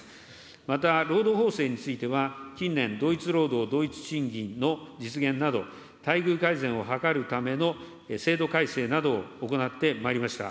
また、労働法制については、近年、同一労働同一賃金の実現など、待遇改善を図るための制度改正などを行ってまいりました。